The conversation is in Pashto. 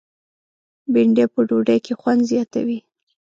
بېنډۍ په ډوډۍ کې خوند زیاتوي